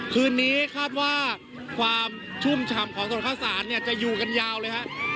คืนนี้คาดว่าความชุ่มฉ่ำของถนนข้าวสารเนี่ยจะอยู่กันยาวเลยฮะ